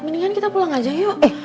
mendingan kita pulang aja yuk